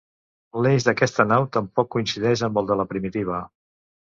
L'eix d'aquesta nau tampoc coincideix amb el de la primitiva.